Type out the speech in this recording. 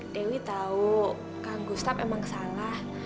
dewi tau kak gustaf emang salah